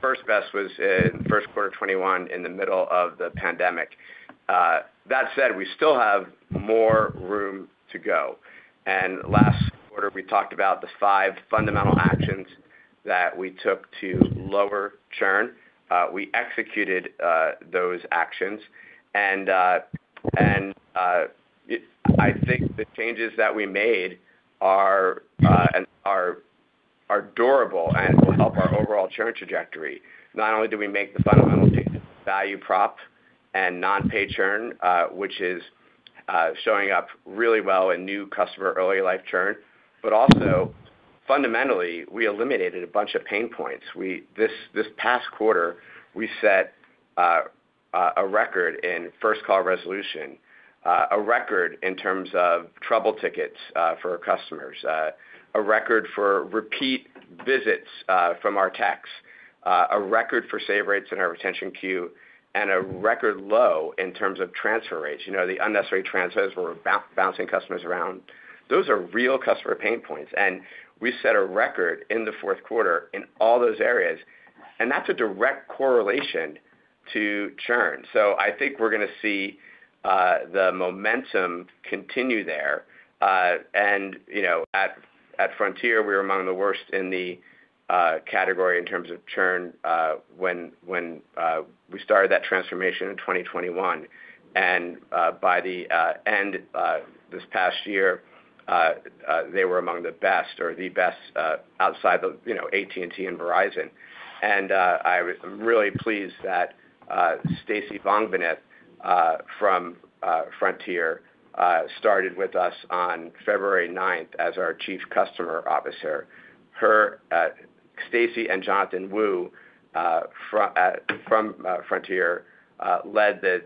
First best was in Q1 2021 in the middle of the pandemic. That said, we still have more room to go. Last quarter, we talked about the five fundamental actions that we took to lower churn. We executed those actions and I think the changes that we made are durable and will help our overall churn trajectory. Not only do we make the fundamental value prop and non-pay churn, which is showing up really well in new customer early life churn, but also fundamentally, we eliminated a bunch of pain points. This past quarter, we set a record in first call resolution, a record in terms of trouble tickets for our customers, a record for repeat visits from our techs, a record for save rates in our retention queue, and a record low in terms of transfer rates. You know, the unnecessary transfers where we're bouncing customers around. Those are real customer pain points, we set a record in the 4th quarter in all those areas, that's a direct correlation to churn. I think we're gonna see the momentum continue there. At Frontier, we were among the worst in the category in terms of churn when we started that transformation in 2021. By the end this past year they were among the best or the best outside the, you know, AT&T and Verizon. I was really pleased that Stacie Vongvanith from Frontier started with us on February ninth as our Chief Customer Officer. Her Stacie and Jonathan Wu from Frontier led the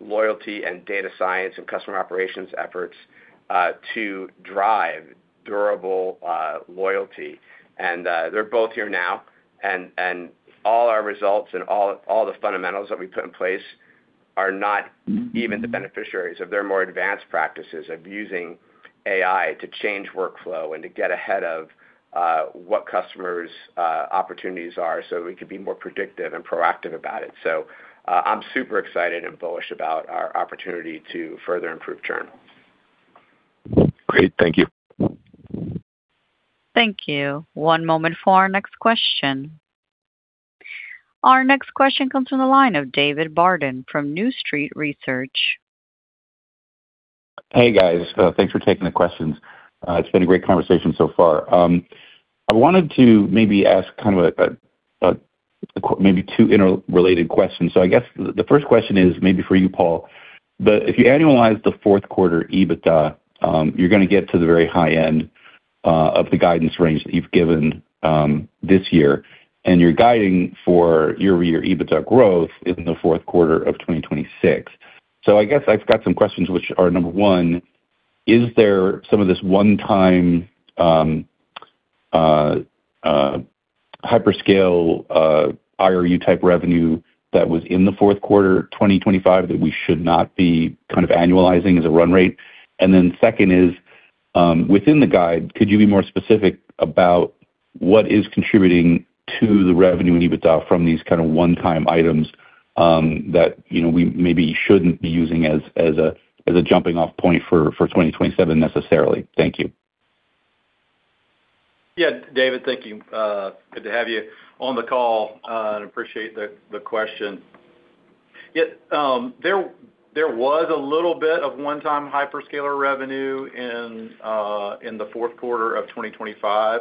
loyalty and data science and customer operations efforts to drive durable loyalty. They're both here now and all our results and all the fundamentals that we put in place are not even the beneficiaries of their more advanced practices of using AI to change workflow and to get ahead of, what customers', opportunities are so we can be more predictive and proactive about it. I'm super excited and bullish about our opportunity to further improve churn. Great. Thank you. Thank you. One moment for our next question. Our next question comes from the line of David Barden from New Street Research. Hey, Everyone. Thanks for taking the questions. It's been a great conversation so far. I wanted to maybe ask kind of a maybe two inter-related questions. I guess the first question is maybe for you, Paul. If you annualize the Q4 EBITDA, you're gonna get to the very high end of the guidance range that you've given this year, and you're guiding for year-over-year EBITDA growth in the Q4 of 2026. I guess I've got some questions which are, number one, is there some of this one-time hyperscale IRU type revenue that was in the Q4 2025 that we should not be kind of annualizing as a run rate? Second is, within the guide, could you be more specific about what is contributing to the revenue and EBITDA from these kind of one-time items, that, you know, we maybe shouldn't be using as a, as a jumping off point for 2027 necessarily? Thank you. David, thank you. Good to have you on the call, and appreciate the question. There was a little bit of one-time hyperscaler revenue in the Q4 of 2025.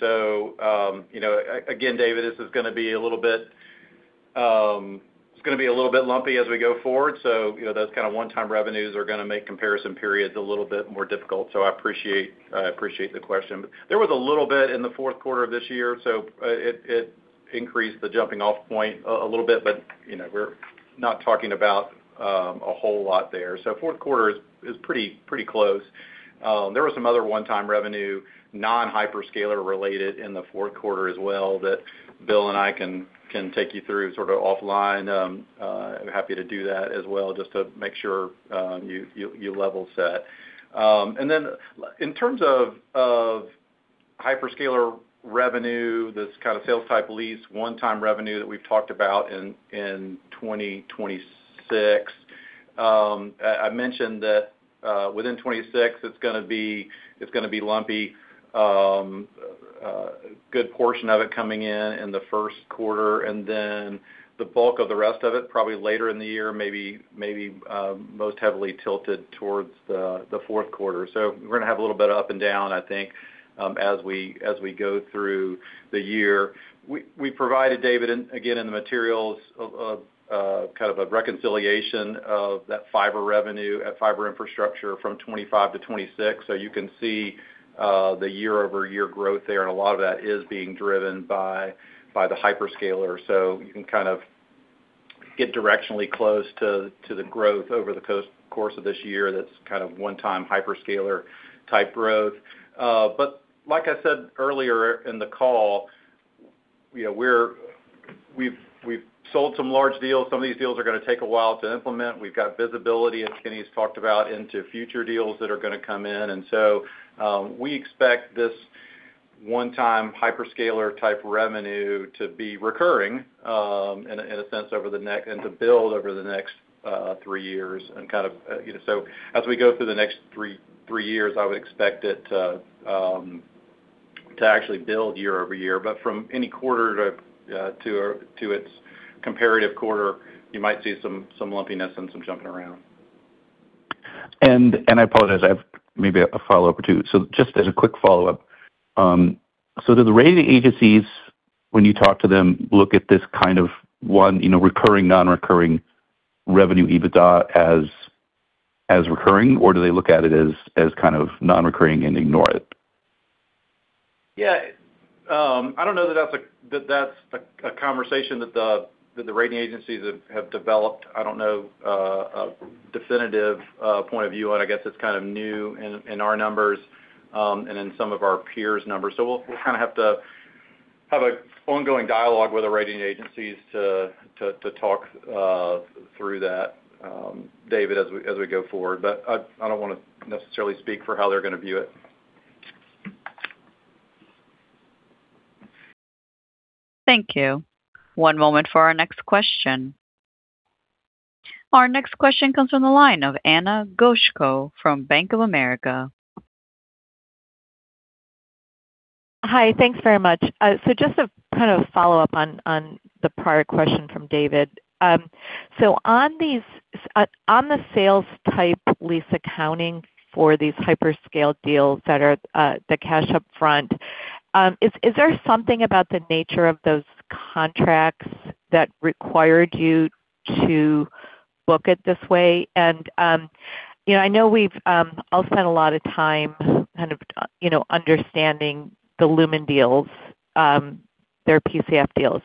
You know, again, David, this is gonna be a little bit, it's gonna be a little bit lumpy as we go forward. You know, those kind of one-time revenues are gonna make comparison periods a little bit more difficult. I appreciate the question. There was a little bit in the Q4 of this year. It increased the jumping off point a little bit, but, you know, we're not talking about a whole lot there. Q4 is pretty close. There was some other one-time revenue, non-hyperscaler related in the Q4 as well that Bill and I can take you through sort of offline. I'm happy to do that as well, just to make sure you level set. Then in terms of hyperscaler revenue, this kind of sales-type lease, one-time revenue that we've talked about in 2026, I mentioned that within 2026 it's gonna be lumpy. Good portion of it coming in in the Q1, and then the bulk of the rest of it probably later in the year, most heavily tilted towards the Q4. We're going have a little bit up and down, I think, as we go through the year. We provided David and again, in the materials of kind of a reconciliation of that fiber revenue at Fiber Infrastructure from 25 to 26. You can see the year-over-year growth there and a lot of that is being driven by the hyperscaler. You can kind of get directionally close to the growth over the course of this year. That's kind of one-time hyperscaler type growth. Like I said earlier in the call, we've sold some large deals. Some of these deals are gonna take a while to implement. We've got visibility, as Kenny's talked about, into future deals that are going to come in. We expect this one-time hyperscaler type revenue to be recurring, in a sense over the next and to build over the next three years and As we go through the next three years, I would expect it to actually build year-over-year. From any quarter to its comparative quarter, you might see some lumpiness and some jumping around. I apologize, I have maybe a follow-up or two. Just as a quick follow-up, do the rating agencies, when you talk to them, look at this kind of one, you know, recurring, non-recurring revenue EBITDA as recurring, or do they look at it as kind of non-recurring and ignore it? I don't know that that's a conversation that the rating agencies have developed. I don't know a definitive point of view on, I guess it's kind of new in our numbers, and in some of our peers' numbers. We'll kind of have to have a ongoing dialogue with the rating agencies to talk through that, David, as we go forward. I don't wanna necessarily speak for how they're gonna view it. Thank you. One moment for our next question. Our next question comes from the line of Ana Goshko from Bank of America. Hi. Thanks very much. Just to kind of follow up on the prior question from David. On the sales-type lease accounting for these hyperscale deals that are the cash up front, is there something about the nature of those contracts that required you to book it this way? I know we've all spent a lot of time kind of, you know, understanding the Lumen deals, their PCF deals.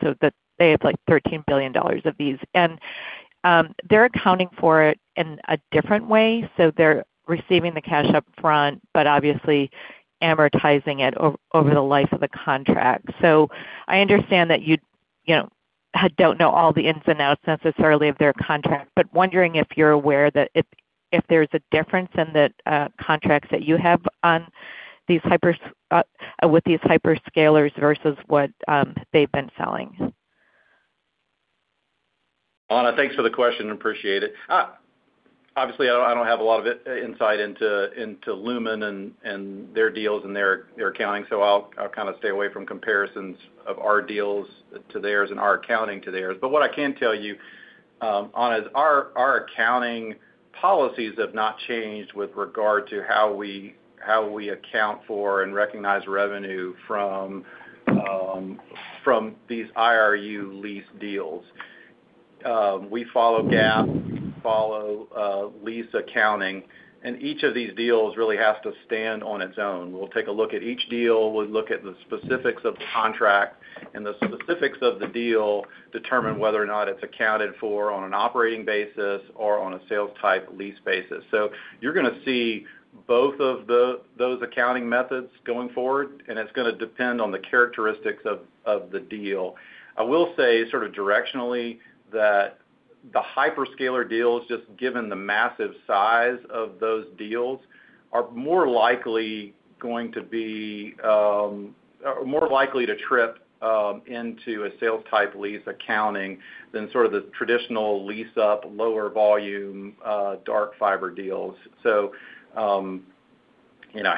They have like $13 billion of these. They're accounting for it in a different way, so they're receiving the cash up front, but obviously amortizing it over the life of the contract. I understand that you know, don't know all the ins and outs necessarily of their contract, but wondering if you're aware that if there's a difference in the contracts that you have on these hyperscalers versus what they've been selling? Ana, thanks for the question. Appreciate it. Obviously, I don't have a lot of insight into Lumen and their deals and their accounting, so I'll kind of stay away from comparisons of our deals to theirs and our accounting to theirs. What I can tell you, Ana, is our accounting policies have not changed with regard to how we, how we account for and recognize revenue from these IRU lease deals. We follow GAAP, we follow lease accounting, and each of these deals really has to stand on its own. We'll take a look at each deal, we'll look at the specifics of the contract, and the specifics of the deal determine whether or not it's accounted for on an operating basis or on a sales-type lease basis. You're going tto see both of those accounting methods going forward, and it's gonna depend on the characteristics of the deal. I will say sort of directionally that the hyperscaler deals, just given the massive size of those deals, are more likely going to be, more likely to trip into a sales-type lease accounting than sort of the traditional lease up, lower volume, dark fiber deals.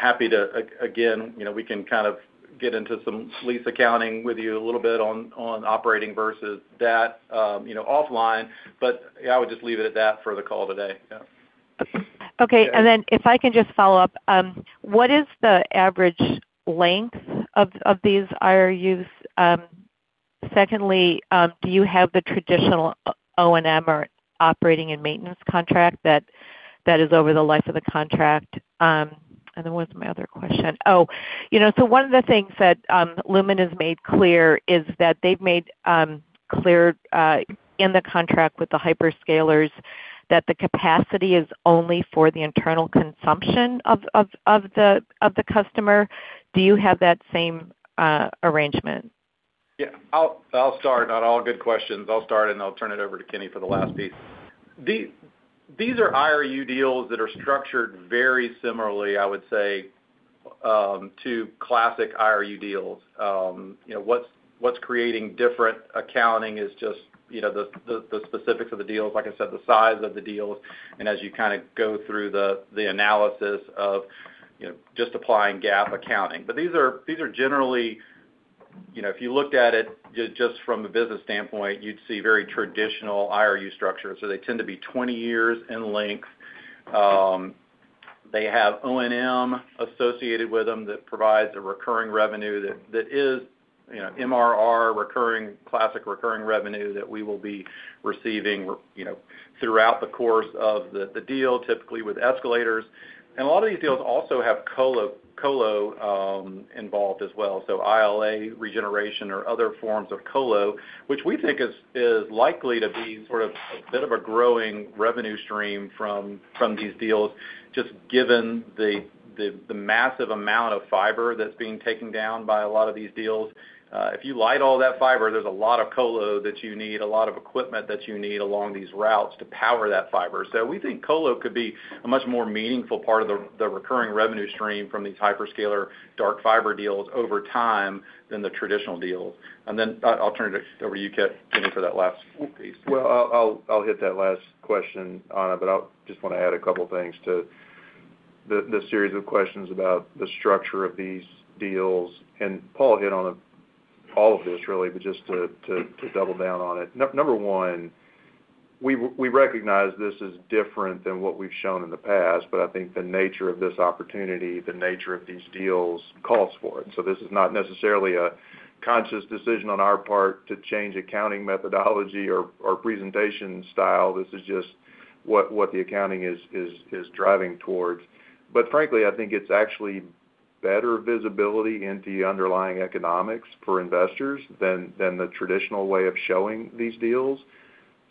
Happy to, again we can kind of get into some lease accounting with you a little bit on operating versus that, you know, offline. I would just leave it at that for the call today. Okay. If I can just follow up, what is the average length of these IRUs? Secondly, do you have the traditional O&M or operating and maintenance contract that is over the life of the contract? What's my other question? Oh, you know, one of the things that Lumen has made clear is that they've made clear in the contract with the hyperscalers that the capacity is only for the internal consumption of the customer. Do you have that same arrangement? I'll start. On all good questions, I'll start, and I'll turn it over to Kenny for the last piece. These are IRU deals that are structured very similarly, I would say, to classic IRU deals. You know, what's creating different accounting is just, you know, the specifics of the deals, like I said, the size of the deals, and as you kinda go through the analysis of, you know, just applying GAAP accounting. These are generally, you know, if you looked at it just from a business standpoint, you'd see very traditional IRU structures. They tend to be 20 years in length. They have O&M associated with them that provides a recurring revenue that is, you know, MRR, recurring, classic recurring revenue that we will be receiving, you know, throughout the course of the deal, typically with escalators. A lot of these deals also have colo involved as well. ILA, regeneration, or other forms of colo, which we think is likely to be sort of a bit of a growing revenue stream from these deals, just given the massive amount of fiber that's being taken down by a lot of these deals. If you light all that fiber, there's a lot of colo that you need, a lot of equipment that you need along these routes to power that fiber. We think colo could be a much more meaningful part of the recurring revenue stream from these hyperscaler dark fiber deals over time than the traditional deals. I'll turn it over to you, Kenny, for that last piece. Well, I'll hit that last question, Ana, but I just wanna add a couple things to the series of questions about the structure of these deals, and Paul hit on all of this really, but just to double down on it. Number one, we recognize this is different than what we've shown in the past, but I think the nature of this opportunity, the nature of these deals calls for it. So this is not necessarily a conscious decision on our part to change accounting methodology or presentation style. This is just what the accounting is driving towards. But frankly, I think it's actually better visibility into the underlying economics for investors than the traditional way of showing these deals.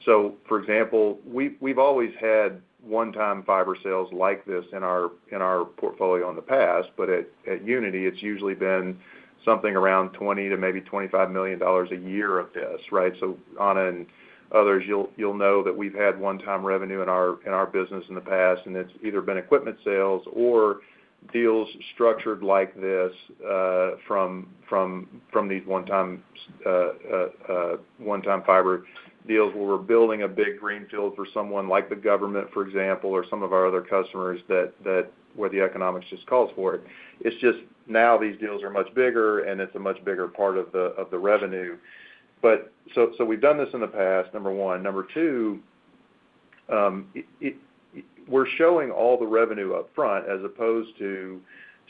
For example, we've always had one-time fiber sales like this in our portfolio in the past, but at Uniti, it's usually been something around $20 million-$25 million a year of this, right? Ana Goshko and others, you'll know that we've had one-time revenue in our business in the past, and it's either been equipment sales or deals structured like this from these one-time fiber deals where we're building a big greenfield for someone like the government, for example, or some of our other customers that where the economics just calls for it. It's just now these deals are much bigger, and it's a much bigger part of the revenue. We've done this in the past, number one. Number two, we're showing all the revenue up front as opposed to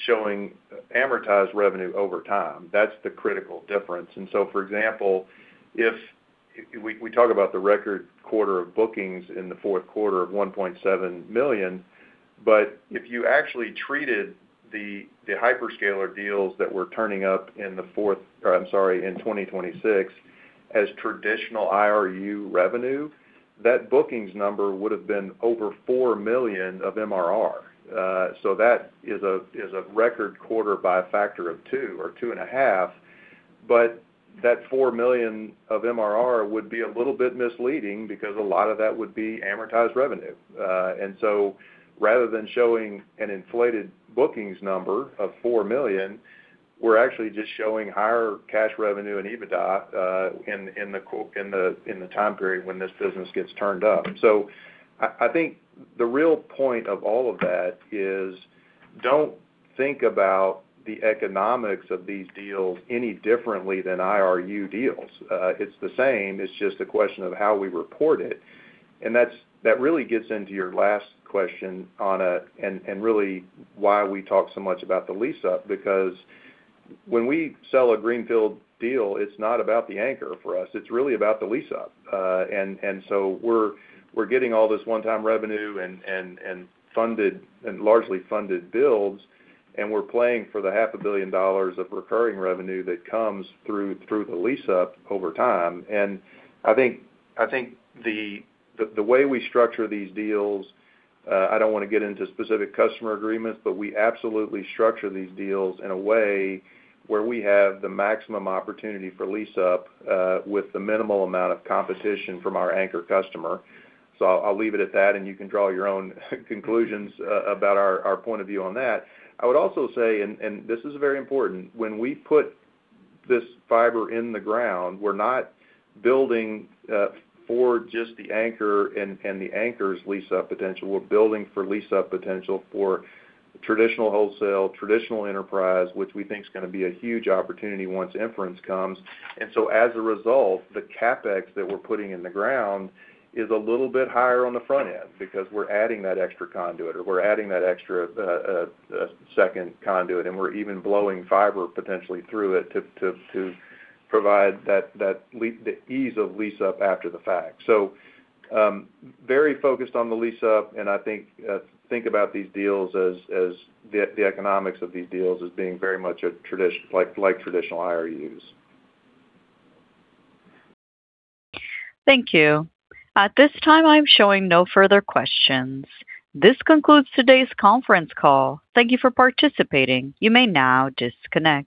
showing amortized revenue over time. That's the critical difference. For example, if we talk about the record quarter of bookings in the Q4 of $1.7 million, but if you actually treated the hyperscaler deals that were turning up in 2026 as traditional IRU revenue, that bookings number would have been over $4 million of MRR. That is a record quarter by a factor of 2 or 2.5. That $4 million of MRR would be a little bit misleading because a lot of that would be amortized revenue. Rather than showing an inflated bookings number of $4 million, we're actually just showing higher cash revenue and EBITDA in the time period when this business gets turned up. I think the real point of all of that is don't think about the economics of these deals any differently than IRU deals. It's the same, it's just a question of how we report it. That really gets into your last question, Ana, and really why we talk so much about the lease up, because when we sell a greenfield deal, it's not about the anchor for us, it's really about the lease up. We're getting all this one-time revenue and funded and largely funded builds, and we're playing for the half a billion dollars of recurring revenue that comes through the lease up over time. I think the way we structure these deals, I don't wanna get into specific customer agreements, but we absolutely structure these deals in a way where we have the maximum opportunity for lease up with the minimal amount of competition from our anchor customer. I'll leave it at that, and you can draw your own conclusions about our point of view on that. I would also say, this is very important, when we put this fiber in the ground, we're not building for just the anchor and the anchor's lease up potential. We're building for lease up potential for traditional wholesale, traditional enterprise, which we think is gonna be a huge opportunity once inference comes. As a result, the CapEx that we're putting in the ground is a little bit higher on the front end because we're adding that extra conduit or we're adding that extra second conduit, and we're even blowing fiber potentially through it to provide that the ease of lease up after the fact. Very focused on the lease up, and I think think about these deals as the economics of these deals as being very much like traditional IRUs. Thank you. At this time, I'm showing no further questions. This concludes today's conference call. Thank you for participating. You may now disconnect.